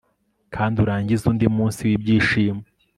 Kandi urangize undi munsi wibyishimo